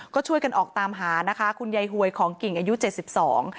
ก็ช่วยกันออกตามหานะคะคุณยายหวยของกิ่งอายุเจ็ดสิบสอง